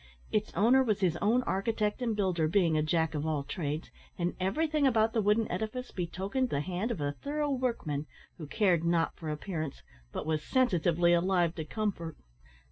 Its owner was his own architect and builder, being a jack of all trades, and everything about the wooden edifice betokened the hand of a thorough workman, who cared not for appearance, but was sensitively alive to comfort.